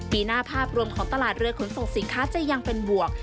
ปีหน้าภาพรวมของตลาดเรือขนส่งสินค้าจะยังเป็นบวก